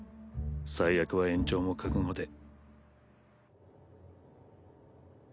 最悪は延長も覚悟で。